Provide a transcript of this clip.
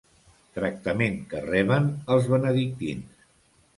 Tractament que reben els benedictins.